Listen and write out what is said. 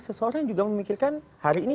seseorang juga memikirkan hari ini